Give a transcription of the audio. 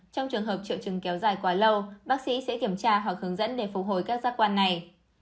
trong trường hợp triệu chứng kéo dài quá lâu bác sĩ sẽ kiểm tra hoặc hướng dẫn để phục hồi các giác quan này